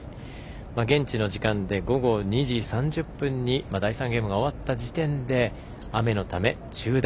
現地の時間で午後２時３０分に第３ゲームが終わった時点で雨のため中断。